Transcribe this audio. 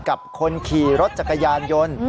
กับคนขี่รถจักรยานยนต์